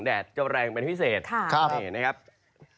แดดจะแรงเป็นพิเศษนะครับนะครับครับครับ